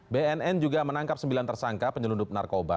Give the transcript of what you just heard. bnn juga menangkap sembilan tersangka penyelundup narkoba